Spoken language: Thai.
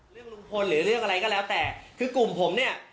ลุงพลหรือเรื่องอะไรก็แล้วแต่คือกลุ่มผมเนี่ย